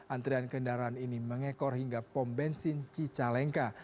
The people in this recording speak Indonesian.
antrian kendaraan ini mengekor hingga pom bensin cicalengka